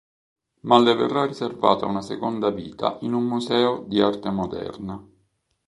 Ma le verrà riservata una seconda vita in un museo di arte moderna.